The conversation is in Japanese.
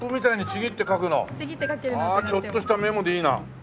ちょっとしたメモでいいな。